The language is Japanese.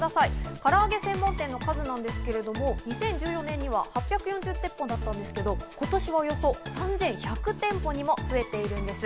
からあげ専門店の数なんですけれども、２０１４年には８４０店舗だったんですけど、今年はおよそ３１００店舗にも増えているんです。